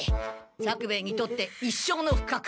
作兵衛にとって一生のふかく。